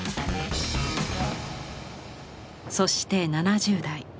そして７０代。